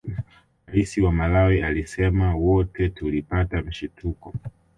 Rais wa Malawi alisema wote tulipata mshituko